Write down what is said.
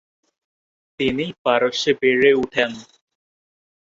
তিনি পারস্যে বেড়ে উঠেন।